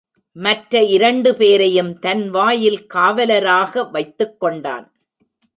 மற்ற இரண்டு பேரையும் தன் வாயில் காவலராக வைத்துக் கொண்டான்.